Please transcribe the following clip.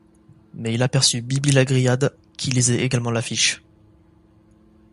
Mais il aperçut Bibi-la-Grillade, qui lisait également l'affiche.